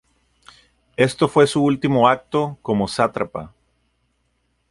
Esto fue su último acto como sátrapa.